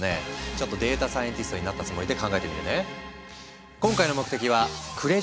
ちょっとデータサイエンティストになったつもりで考えてみるね。